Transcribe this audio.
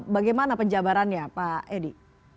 bagaimana penjabarannya pak edy